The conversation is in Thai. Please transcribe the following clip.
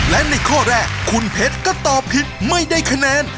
และในข้อแรกคุณเพชรก็ตอบผิดไม่ได้คะแนน